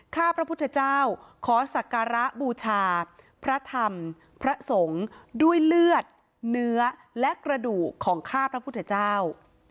ข้าพระพุทธเจ้าขอสักการะบูชาพระธรรมพระสงฆ์ด้วยเลือดเนื้อและกระดูกของข้าพระพุทธเจ้า